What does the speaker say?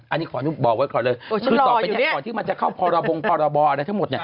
อันนี้ขอบอกว่าคือต่อไปก่อนที่มันจะเข้าพรบงพรบออะไรทั้งหมด